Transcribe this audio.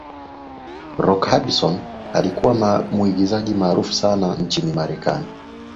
rock hudson alikuwa muigizaji maarufu sana nchini marekani